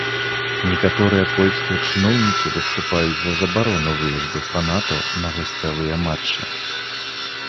Некаторыя польскія чыноўнікі выступаюць за забарону выезду фанатаў на гасцявыя матчы.